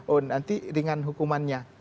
oh nanti ringan hukumannya